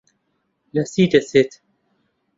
لە چی دەچێت؟